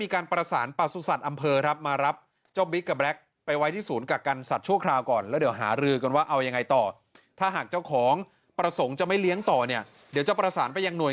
บิกกับแบล็คไปไว้ที่ศูนย์กับกันสัตว์ชั่วคราวก่อนเราเดี๋ยวหาหรือกันว่าเอายังไงต่อถ้าหากเจ้าของประสงค์จะไม่เหลี้ยงต่อเนี่ยเดี๋ยวจะประสารที่ในหน่วยงาน